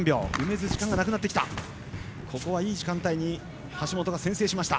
いい時間帯に橋本が先制しました。